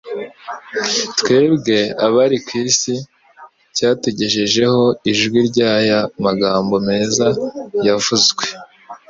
twebwe abari ku isi cyatugejejeho ijwi ry'aya magambo meza yavuzwe